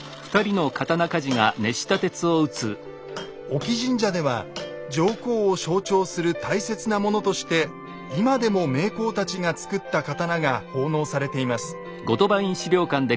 隠岐神社では上皇を象徴する大切なものとして今でも名工たちが作った刀が奉納されています。